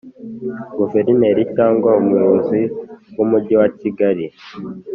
guverineri cyangwa umuyobozi w’umujyi wa kigali